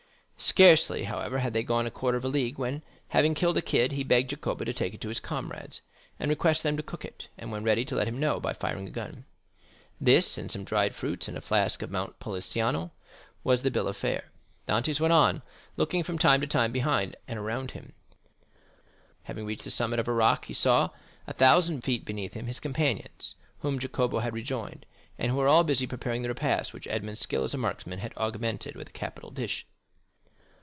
Scarcely, however, had they gone a quarter of a league when, having killed a kid, he begged Jacopo to take it to his comrades, and request them to cook it, and when ready to let him know by firing a gun. This and some dried fruits and a flask of Monte Pulciano, was the bill of fare. Dantès went on, looking from time to time behind and around about him. Having reached the summit of a rock, he saw, a thousand feet beneath him, his companions, whom Jacopo had rejoined, and who were all busy preparing the repast which Edmond's skill as a marksman had augmented with a capital dish.